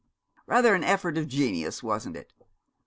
'Rather an effort of genius, wasn't it.